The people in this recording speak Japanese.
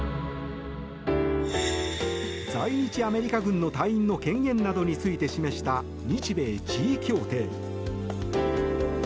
在日アメリカ軍の隊員の権限などについて示した日米地位協定。